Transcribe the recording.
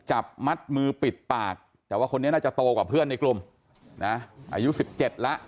จับมัดมือปิดปากแต่ว่าคนนี้น่าจะโตกว่าเพื่อนในกลุ่มนะอายุ๑๗แล้ว